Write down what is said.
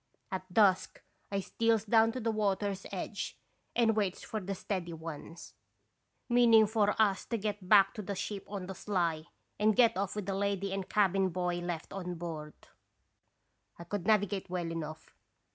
"At dusk I steals down to the water's edge and waits for the steady ones, meaning for us to get back to the ship on the sly and get off with the lady and cabin boy left on board. I could navigate well enough.